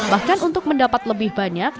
bahkan untuk mendapat lebih banyak